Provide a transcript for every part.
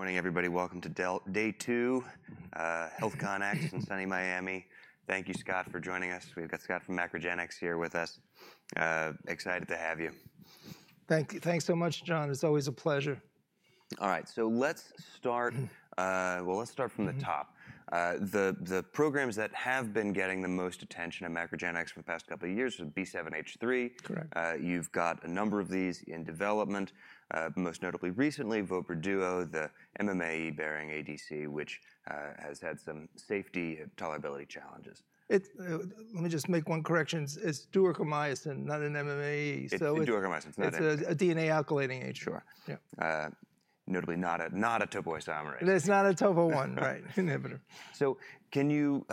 Morning, everybody. Welcome to Day 2, HealthCONx in sunny Miami. Thank you, Scott, for joining us. We've got Scott from MacroGenics here with us. Excited to have you. Thank you. Thanks so much, John. It's always a pleasure. All right, so let's start from the top. The programs that have been getting the most attention at MacroGenics for the past couple of years are B7-H3. Correct. You've got a number of these in development, most notably recently Vobra duo, the MMAE-bearing ADC, which has had some safety tolerability challenges. Let me just make one correction. It's duocarmazine, not an MMAE. It's a duocarmazine. It's a DNA alkylating agent. Sure. Yeah. Notably, not a topoisomerase. It's not a topo1 inhibitor, right? Can you,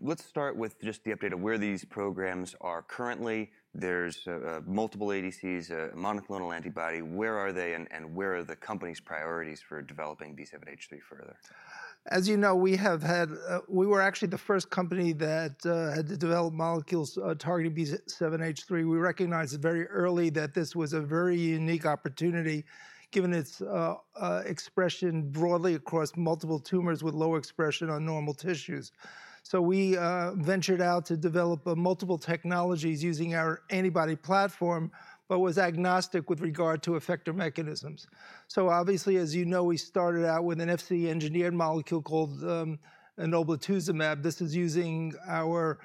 let's start with just the update of where these programs are currently. There's multiple ADCs, a monoclonal antibody. Where are they, and where are the company's priorities for developing B7-H3 further? As you know, we have had, we were actually the first company that had to develop molecules targeting B7-H3. We recognized very early that this was a very unique opportunity, given its expression broadly across multiple tumors with low expression on normal tissues. So we ventured out to develop multiple technologies using our antibody platform, but was agnostic with regard to effector mechanisms. So obviously, as you know, we started out with an Fc-engineered molecule called enoblituzumab. This is using our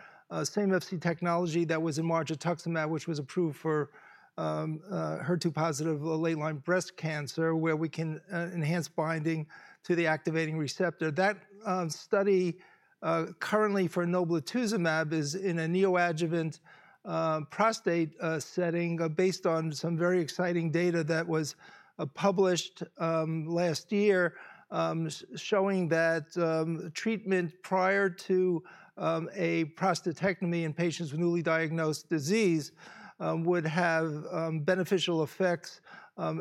same Fc technology that was in margetuximab, which was approved for HER2-positive late-line breast cancer, where we can enhance binding to the activating receptor. That study currently for enoblituzumab is in a neoadjuvant prostate setting based on some very exciting data that was published last year, showing that treatment prior to a prostatectomy in patients with newly diagnosed disease would have beneficial effects,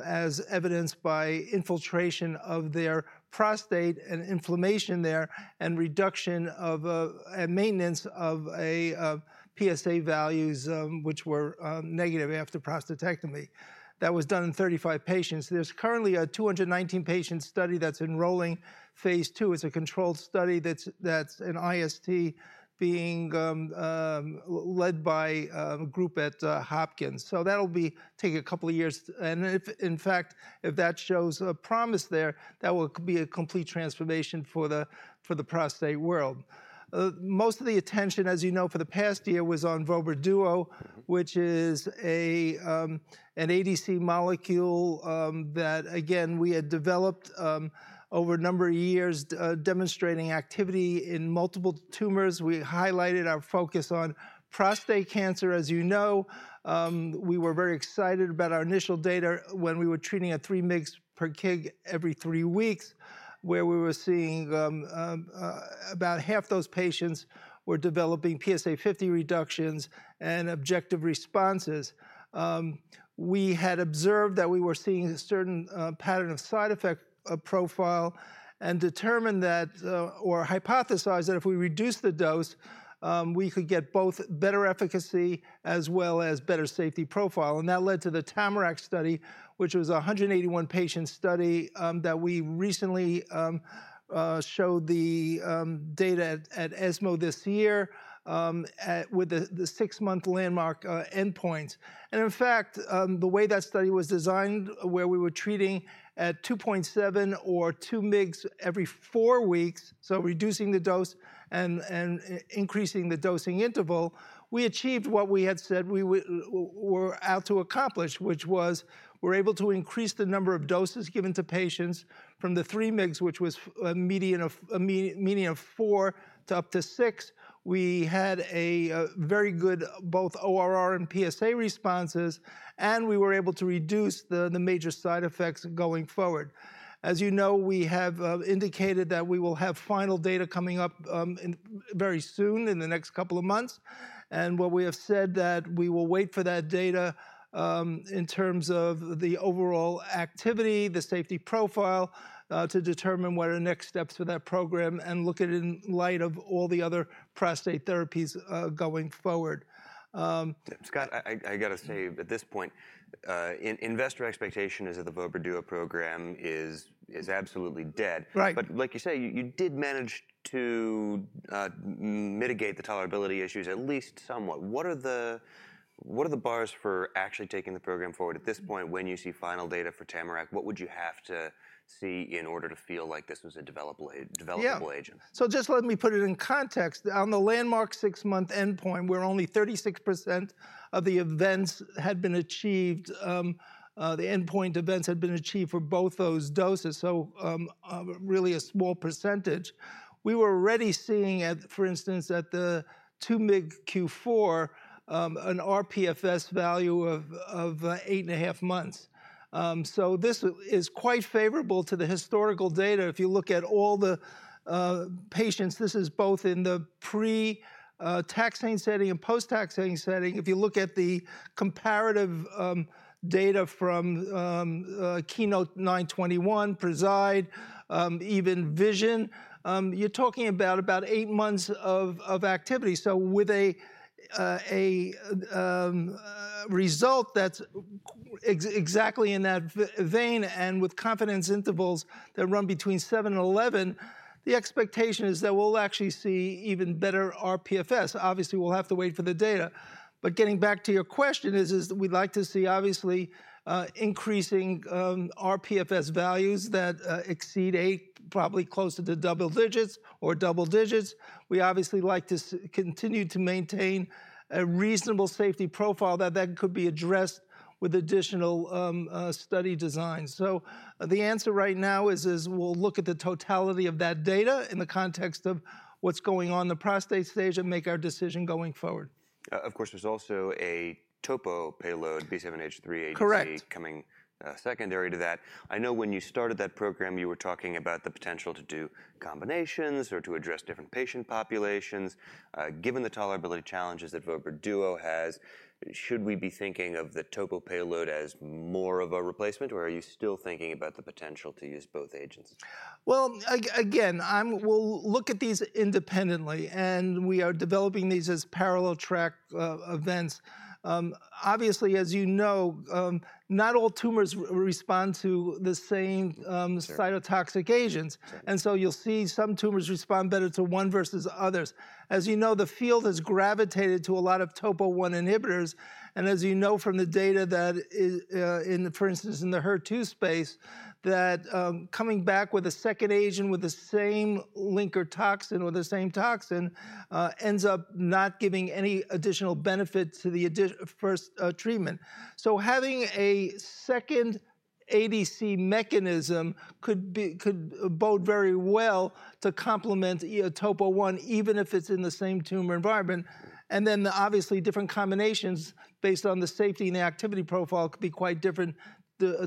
as evidenced by infiltration of their prostate and inflammation there, and reduction of and maintenance of PSA values, which were negative after prostatectomy. That was done in 35 patients. There's currently a 219-patient study that's enrolling phase 2. It's a controlled study that's an IST being led by a group at Hopkins, so that'll take a couple of years, and in fact, if that shows a promise there, that will be a complete transformation for the prostate world. Most of the attention, as you know, for the past year was on Vobra duo, which is an ADC molecule that, again, we had developed over a number of years, demonstrating activity in multiple tumors. We highlighted our focus on prostate cancer. As you know, we were very excited about our initial data when we were treating a 3 mg per kg every three weeks, where we were seeing about half those patients were developing PSA 50 reductions and objective responses. We had observed that we were seeing a certain pattern of side effect profile and determined that, or hypothesized that if we reduce the dose, we could get both better efficacy as well as better safety profile. That led to the TAMARACK study, which was a 181-patient study that we recently showed the data at ESMO this year with the six-month landmark endpoints. In fact, the way that study was designed, where we were treating at 2.7 or 2 mg every four weeks, so reducing the dose and increasing the dosing interval, we achieved what we had said we were out to accomplish, which was we were able to increase the number of doses given to patients from the 3 mg, which was a median of four to up to six. We had a very good both ORR and PSA responses, and we were able to reduce the major side effects going forward. As you know, we have indicated that we will have final data coming up very soon in the next couple of months. What we have said that we will wait for that data in terms of the overall activity, the safety profile, to determine what are next steps for that program and look at it in light of all the other prostate therapies going forward. Scott, I got to say at this point, investor expectation is that the Vobra duo program is absolutely dead. Right. But like you say, you did manage to mitigate the tolerability issues at least somewhat. What are the bars for actually taking the program forward at this point when you see final data for TAMARACK? What would you have to see in order to feel like this was a developable agent? Yeah. So just let me put it in context. On the landmark six-month endpoint, where only 36% of the events had been achieved, the endpoint events had been achieved for both those doses, so really a small percentage. We were already seeing, for instance, at the 2 mg Q4, an rPFS value of eight and a half months. So this is quite favorable to the historical data. If you look at all the patients, this is both in the pre-taxane setting and post-taxane setting. If you look at the comparative data from KEYNOTE-921, PRESIDE, even VISION, you're talking about eight months of activity. So with a result that's exactly in that vein and with confidence intervals that run between seven and 11, the expectation is that we'll actually see even better rPFS. Obviously, we'll have to wait for the data. But getting back to your question is, we'd like to see obviously increasing rPFS values that exceed eight, probably close to the double digits or double digits. We obviously like to continue to maintain a reasonable safety profile that then could be addressed with additional study designs. So the answer right now is we'll look at the totality of that data in the context of what's going on in the prostate space and make our decision going forward. Of course, there's also a topo payload, B7-H3, coming secondary to that. Correct. I know when you started that program, you were talking about the potential to do combinations or to address different patient populations. Given the tolerability challenges that vobramitamab duocarmazine has, should we be thinking of the topo payload as more of a replacement, or are you still thinking about the potential to use both agents? Again, we'll look at these independently, and we are developing these as parallel track events. Obviously, as you know, not all tumors respond to the same cytotoxic agents, and so you'll see some tumors respond better to one versus others. As you know, the field has gravitated to a lot of topo1 inhibitors, and as you know from the data that, for instance, in the HER2 space, that coming back with a second agent with the same linker toxin or the same toxin ends up not giving any additional benefit to the first treatment, so having a second ADC mechanism could bode very well to complement topo1, even if it's in the same tumor environment, and then obviously, different combinations based on the safety and the activity profile could be quite different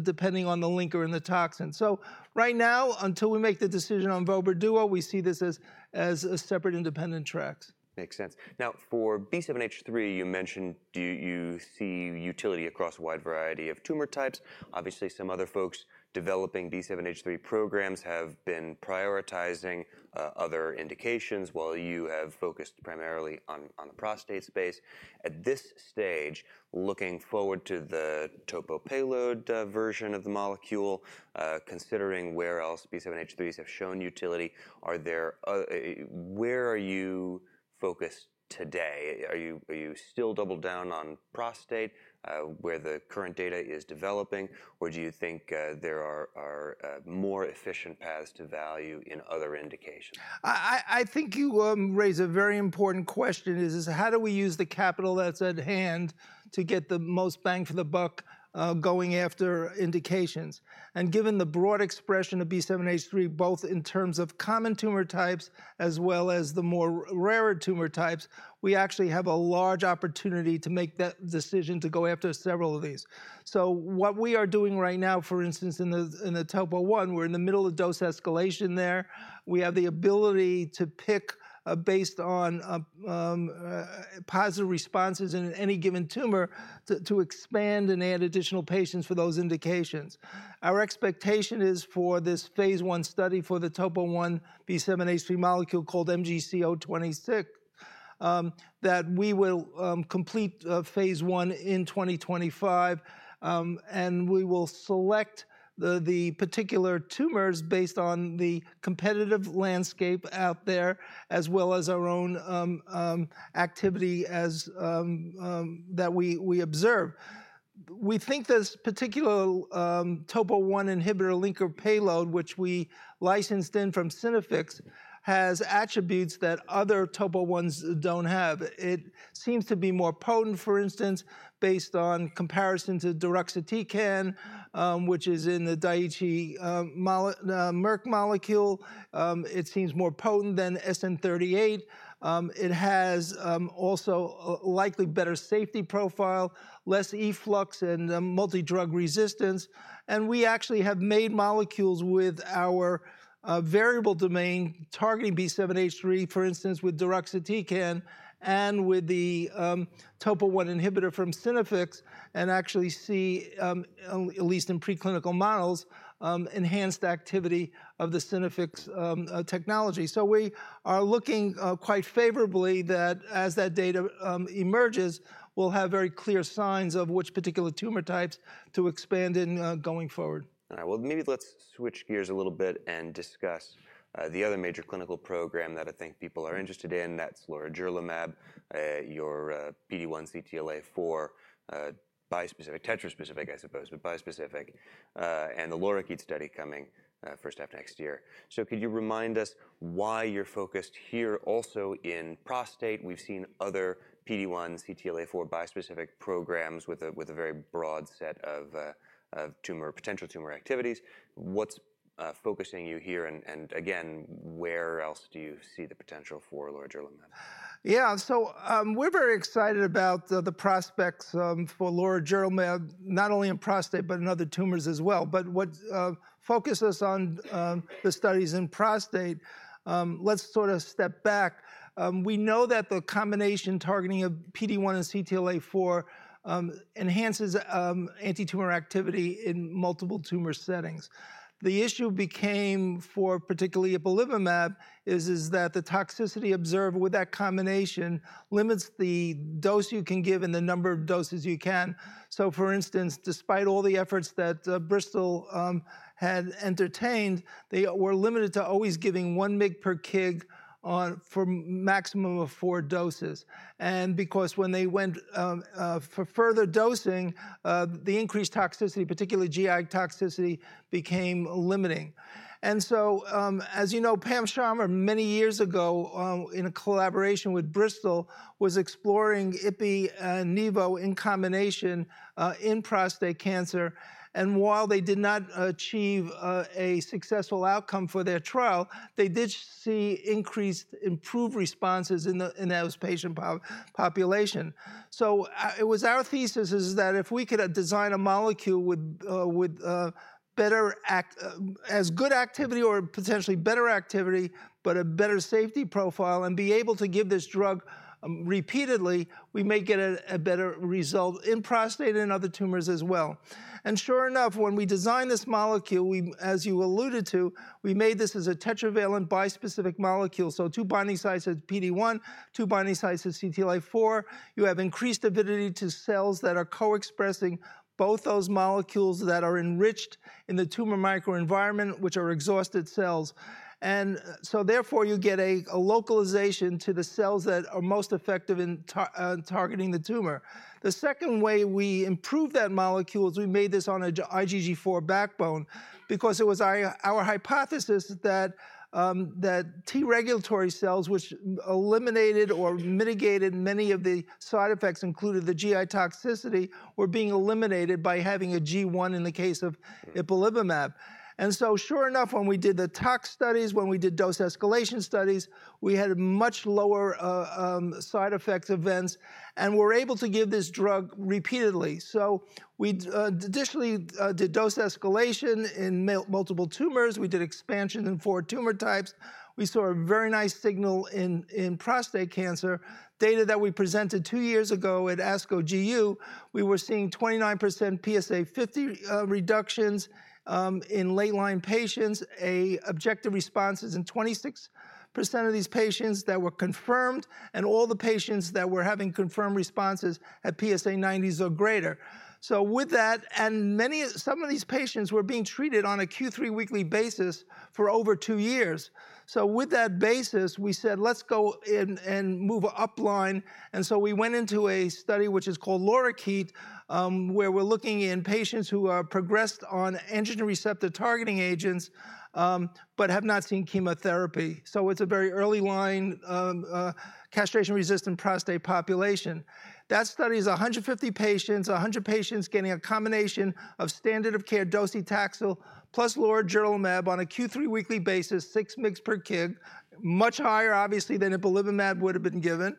depending on the linker and the toxin. So right now, until we make the decision on Vobra duo, we see this as separate independent tracks. Makes sense. Now, for B7-H3, you mentioned you see utility across a wide variety of tumor types. Obviously, some other folks developing B7-H3 programs have been prioritizing other indications, while you have focused primarily on the prostate space. At this stage, looking forward to the topo payload version of the molecule, considering where else B7-H3s have shown utility, where are you focused today? Are you still doubled down on prostate, where the current data is developing, or do you think there are more efficient paths to value in other indications? I think you raise a very important question. It is, how do we use the capital that's at hand to get the most bang for the buck going after indications? And given the broad expression of B7-H3, both in terms of common tumor types as well as the more rarer tumor types, we actually have a large opportunity to make that decision to go after several of these. So what we are doing right now, for instance, in the topo1, we're in the middle of dose escalation there. We have the ability to pick based on positive responses in any given tumor to expand and add additional patients for those indications. Our expectation is for this phase 1 study for the topo1 B7-H3 molecule called MGC026 that we will complete phase 1 in 2025. We will select the particular tumors based on the competitive landscape out there, as well as our own activity that we observe. We think this particular topo1 inhibitor linker payload, which we licensed in from Synaffix, has attributes that other topo1s don't have. It seems to be more potent, for instance, based on comparison to deruxtecan, which is in the Daiichi Merck molecule. It seems more potent than SN-38. It has also likely better safety profile, less efflux, and multi-drug resistance. We actually have made molecules with our variable domain targeting B7-H3, for instance, with deruxtecan and with the topo1 inhibitor from Synaffix, and actually see, at least in preclinical models, enhanced activity of the Synaffix technology. We are looking quite favorably that as that data emerges, we'll have very clear signs of which particular tumor types to expand in going forward. All right. Well, maybe let's switch gears a little bit and discuss the other major clinical program that I think people are interested in. That's lorigerlimab, your PD-1 CTLA-4 bispecific, tetraspecific, I suppose, but bispecific, and the LORIKEET study coming first half next year. So could you remind us why you're focused here also in prostate? We've seen other PD-1 CTLA-4 bispecific programs with a very broad set of tumor potential tumor activities. What's focusing you here? And again, where else do you see the potential for lorigerlimab? Yeah. So we're very excited about the prospects for lorigerlimab, not only in prostate, but in other tumors as well. But focusing on the studies in prostate, let's sort of step back. We know that the combination targeting of PD-1 and CTLA-4 enhances anti-tumor activity in multiple tumor settings. The issue became for particularly ipilimumab is that the toxicity observed with that combination limits the dose you can give and the number of doses you can. So for instance, despite all the efforts that Bristol had entertained, they were limited to always giving one mg per kg for a maximum of four doses. And because when they went for further dosing, the increased toxicity, particularly GI toxicity, became limiting. And so as you know, Pam Sharma, many years ago, in a collaboration with Bristol, was exploring Ippi and Nevo in combination in prostate cancer. While they did not achieve a successful outcome for their trial, they did see increased, improved responses in those patient population. It was our thesis that if we could design a molecule with better, at least as good, activity or potentially better activity, but a better safety profile, and be able to give this drug repeatedly, we may get a better result in prostate and other tumors as well. Sure enough, when we designed this molecule, as you alluded to, we made this as a tetravalent bispecific molecule. Two binding sites at PD-1, two binding sites at CTLA-4. You have increased avidity to cells that are co-expressing both those molecules that are enriched in the tumor microenvironment, which are exhausted cells. Therefore, you get a localization to the cells that are most effective in targeting the tumor. The second way we improved that molecule is we made this on an IgG4 backbone because it was our hypothesis that T regulatory cells, which eliminated or mitigated many of the side effects including the GI toxicity, were being eliminated by having an IgG1 in the case of ipilimumab. And so sure enough, when we did the tox studies, when we did dose escalation studies, we had much lower side effects events and were able to give this drug repeatedly. So we additionally did dose escalation in multiple tumors. We did expansion in four tumor types. We saw a very nice signal in prostate cancer. Data that we presented two years ago at ASCO GU, we were seeing 29% PSA50 reductions in late line patients. Objective responses in 26% of these patients that were confirmed, and all the patients that were having confirmed responses had PSA90s or greater. So with that, and some of these patients were being treated on a Q3 weekly basis for over two years. So with that basis, we said, let's go and move upline. And so we went into a study, which is called LORIKEET, where we're looking in patients who have progressed on antigen receptor targeting agents but have not seen chemotherapy. So it's a very early line castration resistant prostate population. That study is 150 patients, 100 patients getting a combination of standard of care docetaxel plus lorigerlimab on a Q3 weekly basis, six mg per kg, much higher obviously than ipilimumab would have been given,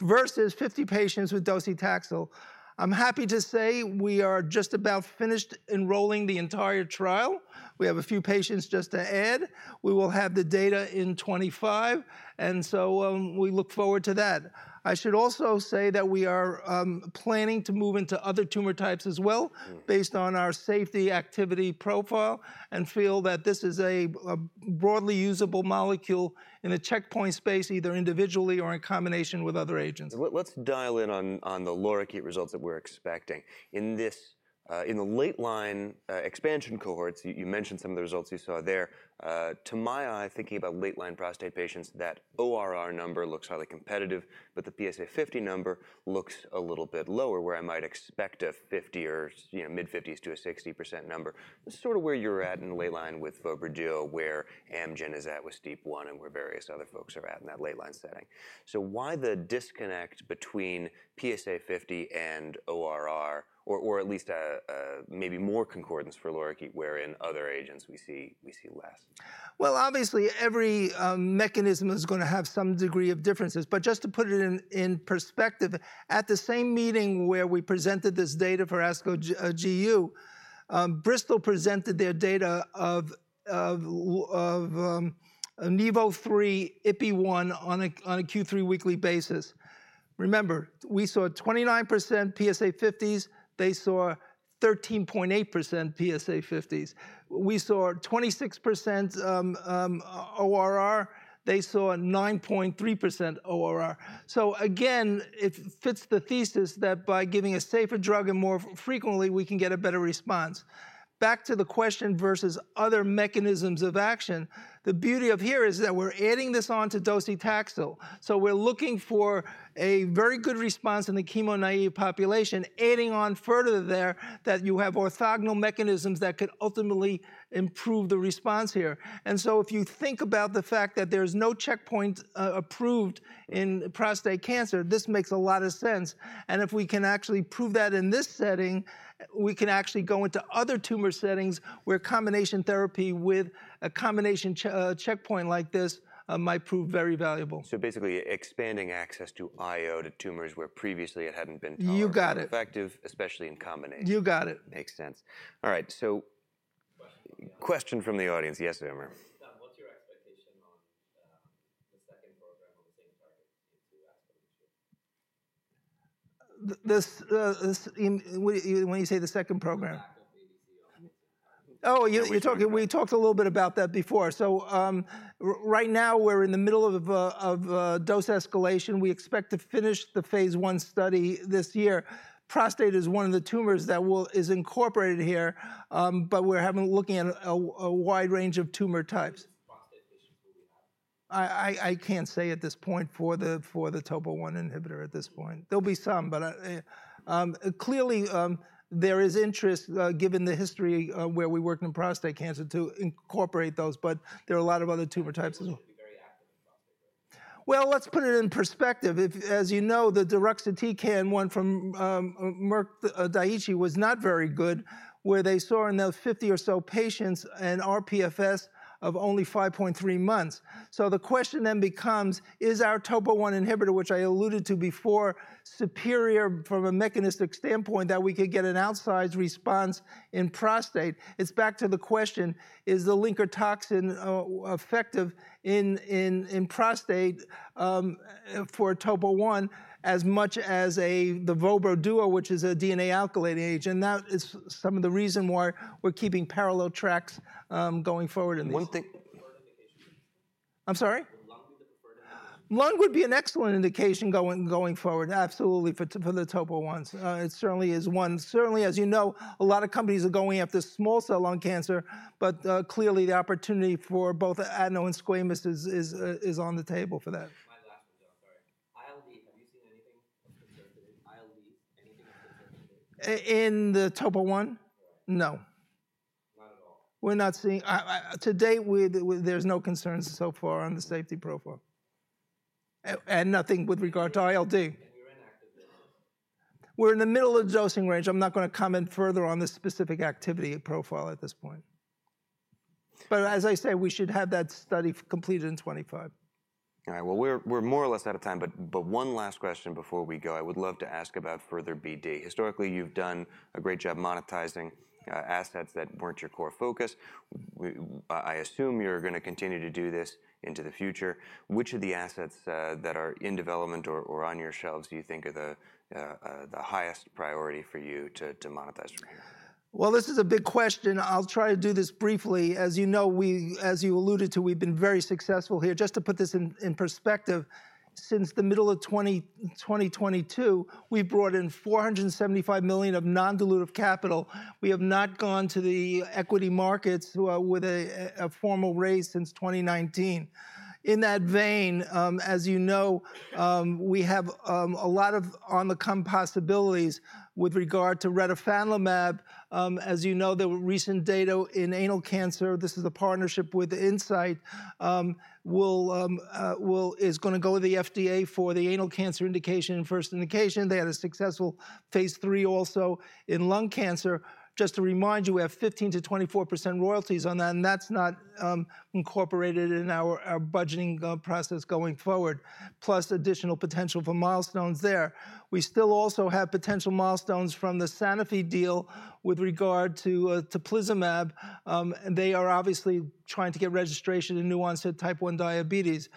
versus 50 patients with docetaxel. I'm happy to say we are just about finished enrolling the entire trial. We have a few patients just to add. We will have the data in 2025. And so we look forward to that. I should also say that we are planning to move into other tumor types as well based on our safety activity profile and feel that this is a broadly usable molecule in a checkpoint space, either individually or in combination with other agents. Let's dial in on the LORIKEET results that we're expecting. In the late line expansion cohorts, you mentioned some of the results you saw there. To my eye, thinking about late line prostate patients, that ORR number looks highly competitive, but the PSA50 number looks a little bit lower, where I might expect a 50% or mid-50s to a 60% number. This is sort of where you're at in the late line with Vobra duo, where Amgen is at with STEAP1, and where various other folks are at in that late line setting. So why the disconnect between PSA50 and ORR, or at least maybe more concordance for LORIKEET, where in other agents we see less? Obviously, every mechanism is going to have some degree of differences. But just to put it in perspective, at the same meeting where we presented this data for ASCO GU, Bristol presented their data of Nevo 3, Ippi 1 on a Q3 weekly basis. Remember, we saw 29% PSA50s. They saw 13.8% PSA50s. We saw 26% ORR. They saw 9.3% ORR. So again, it fits the thesis that by giving a safer drug and more frequently, we can get a better response. Back to the question versus other mechanisms of action, the beauty here is that we're adding this on to docetaxel. So we're looking for a very good response in the chemo-naive population, adding on further there that you have orthogonal mechanisms that could ultimately improve the response here. And so if you think about the fact that there's no checkpoint approved in prostate cancer, this makes a lot of sense. And if we can actually prove that in this setting, we can actually go into other tumor settings where combination therapy with a combination checkpoint like this might prove very valuable. So basically, expanding access to IO to tumors where previously it hadn't been targeted. You got it. Effective, especially in combination. You got it. Makes sense. All right, so question from the audience. Yes, Amer. What's your expectation on the second program on the same target into ASCO GU? When you say the second program? Oh, you're talking. We talked a little bit about that before. So right now, we're in the middle of dose escalation. We expect to finish the phase one study this year. Prostate is one of the tumors that is incorporated here, but we're looking at a wide range of tumor types. Prostate patients, will we have? I can't say at this point for the topo1 inhibitor at this point. There'll be some, but clearly, there is interest, given the history where we work in prostate cancer, to incorporate those. But there are a lot of other tumor types as well. Let's put it in perspective. As you know, the deruxtecan one from Merck, Daiichi was not very good, where they saw in those 50 or so patients an rPFS of only 5.3 months. The question then becomes, is our topo1 inhibitor, which I alluded to before, superior from a mechanistic standpoint that we could get an outsized response in prostate? It's back to the question, is the linker toxin effective in prostate for topo1 as much as the Vobra duo, which is a DNA alkylating agent? That is some of the reason why we're keeping parallel tracks going forward in this. One thing. Lung would be the preferred indication? Lung would be an excellent indication going forward, absolutely, for the topo1s. It certainly is one. Certainly, as you know, a lot of companies are going after small cell lung cancer. But clearly, the opportunity for both adeno-and squamous is on the table for that. My last one, sorry. ILD, have you seen anything of concern today? ILD, anything of concern today? In the topo1? Correct. No. Not at all. We're not seeing today, there's no concerns so far on the safety profile, and nothing with regard to ILD. You're in active dosing? We're in the middle of the dosing range. I'm not going to comment further on the specific activity profile at this point. But as I say, we should have that study completed in 2025. All right. Well, we're more or less out of time. But one last question before we go. I would love to ask about further BD. Historically, you've done a great job monetizing assets that weren't your core focus. I assume you're going to continue to do this into the future. Which of the assets that are in development or on your shelves do you think are the highest priority for you to monetize? This is a big question. I'll try to do this briefly. As you know, as you alluded to, we've been very successful here. Just to put this in perspective, since the middle of 2022, we've brought in $475 million of non-dilutive capital. We have not gone to the equity markets with a formal raise since 2019. In that vein, as you know, we have a lot of on-the-come possibilities with regard to retifanlimab. As you know, the recent data in anal cancer, this is a partnership with Incyte, is going to go to the FDA for the anal cancer indication and first indication. They had a successful phase 3 also in lung cancer. Just to remind you, we have 15%-24% royalties on that. That's not incorporated in our budgeting process going forward, plus additional potential for milestones there. We still also have potential milestones from the Sanofi deal with regard to teplizumab. They are obviously trying to get registration in new onset type 1 diabetes.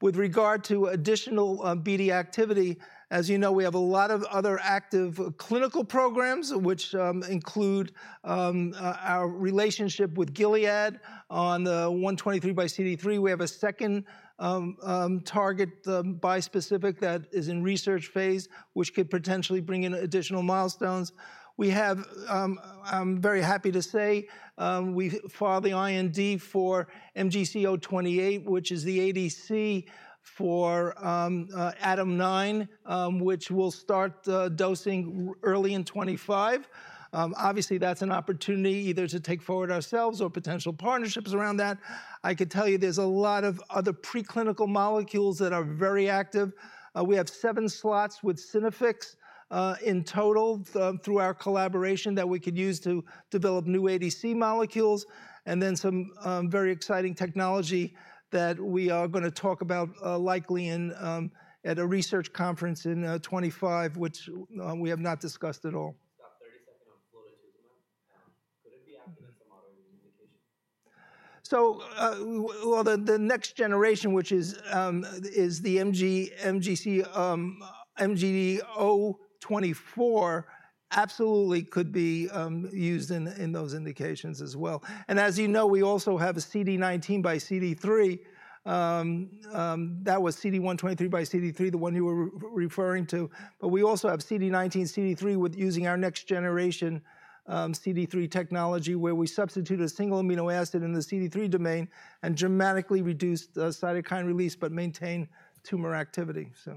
With regard to additional BD activity, as you know, we have a lot of other active clinical programs, which include our relationship with Gilead on the CD123xCD3. We have a second target bispecific that is in research phase, which could potentially bring in additional milestones. We have, I'm very happy to say, we filed the IND for MGC028, which is the ADC for ADAM9, which we'll start dosing early in 2025. Obviously, that's an opportunity either to take forward ourselves or potential partnerships around that. I could tell you there's a lot of other preclinical molecules that are very active. We have seven slots with Synaffix in total through our collaboration that we could use to develop new ADC molecules. And then some very exciting technology that we are going to talk about likely at a research conference in 2025, which we have not discussed at all. Stop 30 seconds on flotetuzumab. Could it be active in some other indication? The next generation, which is the MGC024, absolutely could be used in those indications as well. And as you know, we also have a CD19xCD3. That was CD123xCD3, the one you were referring to. But we also have CD19xCD3 using our next generation CD3 technology, where we substitute a single amino acid in the CD3 domain and dramatically reduce cytokine release, but maintain tumor activity.